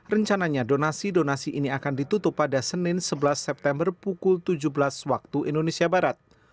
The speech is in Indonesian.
rencananya donasi donasi ini akan ditutup pada senin sebelas september pukul tujuh belas waktu indonesia barat